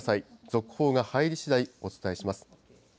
続報が入りしだい、お伝えします。